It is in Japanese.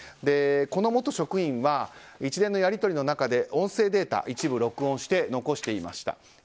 この元職員は一連のやり取りの中で音声データを一部録音して残していました。